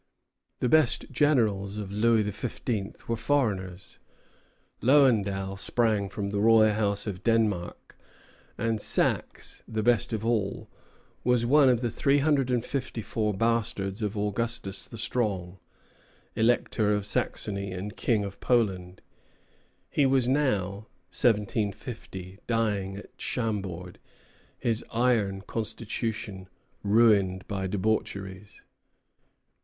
The best generals of Louis XV. were foreigners. Lowendal sprang from the royal house of Denmark; and Saxe, the best of all, was one of the three hundred and fifty four bastards of Augustus the Strong, Elector of Saxony and King of Poland. He was now, 1750, dying at Chambord, his iron constitution ruined by debaucheries.